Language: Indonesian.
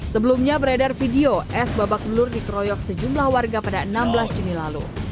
sebelumnya beredar video s babak belur dikeroyok sejumlah warga pada enam belas juni lalu